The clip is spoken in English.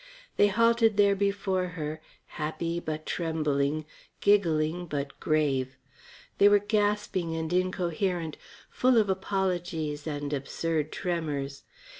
They halted there before her, happy but trembling, giggling but grave. They were gasping and incoherent, full of apologies and absurd tremors.